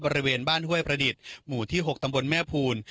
บริเวณบ้านห้วยประดิษฐ์หมู่ที่๖ตำบลแม่ภูล